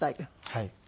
はい。